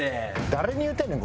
誰に言うてんねん？